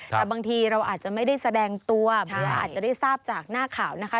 แต่บางทีเราอาจจะไม่ได้แสดงตัวหรือว่าอาจจะได้ทราบจากหน้าข่าวนะคะ